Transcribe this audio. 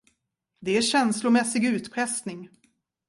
Det är känslomässig utpressning.